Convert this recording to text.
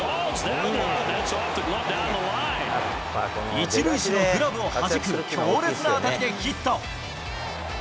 １塁手のグラブをはじく強烈な当たりでヒット。